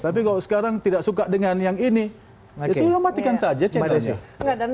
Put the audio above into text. tapi kalau sekarang tidak suka dengan yang ini ya sudah matikan saja channelnya